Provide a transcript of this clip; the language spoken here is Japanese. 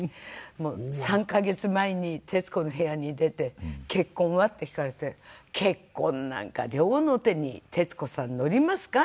もう３カ月前に『徹子の部屋』に出て「結婚は？」って聞かれて「結婚なんか両の手に徹子さんのりますか？